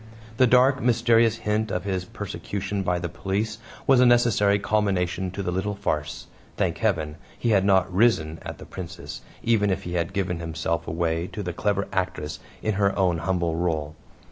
The dark, mysterious hint of his persecution by the police was a necessary culmination to the little farce. Thank Heaven! he had not "risen" at the Princess, even if he had given himself away to the clever actress in her own humble role.